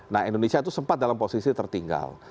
nah indonesia itu sempat dalam posisi tertinggal